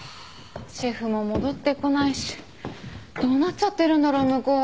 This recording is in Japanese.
シェフも戻ってこないしどうなっちゃってるんだろう向こうは。